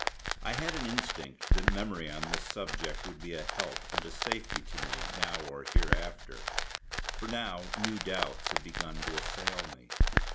I had an instinct that memory on this subject would be a help and a safety to me now or hereafter. For now new doubts had begun to assail me.